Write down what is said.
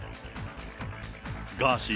ガーシー